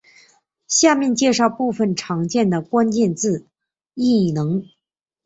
下面介绍部分常见的关键字异能。